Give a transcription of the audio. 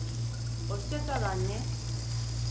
Hoşça kal, anne.